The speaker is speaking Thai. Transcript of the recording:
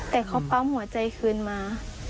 แต่เขาปั๊มหัวใจคืนมา